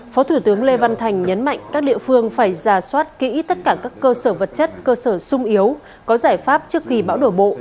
phó thủ tướng lê văn thành nhấn mạnh các địa phương phải ra soát kỹ tất cả các cơ sở vật chất cơ sở sung yếu có giải pháp trước khi bão đổ bộ